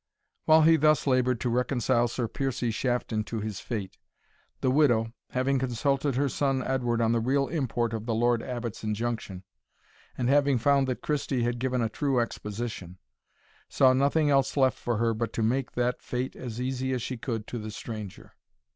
While he thus laboured to reconcile Sir Piercie Shafton to his fate, the widow, having consulted her son Edward on the real import of the Lord Abbot's injunction, and having found that Christie had given a true exposition, saw nothing else left for her but to make that fate as easy as she could to the stranger.